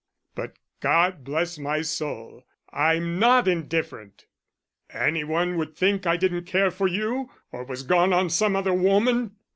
"But God bless my soul, I'm not indifferent. Any one would think I didn't care for you or was gone on some other woman."